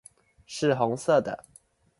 是紅色的